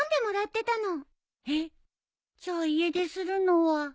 えっじゃあ家出するのは。